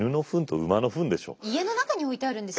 家の中に置いてあるんですよ